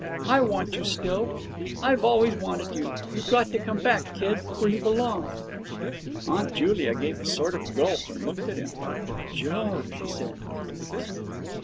I want you still. I've always wanted you. You've got to come back, kid, where you belong.' Aunt Julia gave a sort of gulp and looked at him. 'Joe!' she said in a kind of whisper.